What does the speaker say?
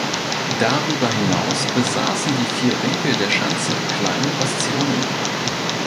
Darüber hinaus besaßen die vier Winkel der Schanze kleine Bastionen.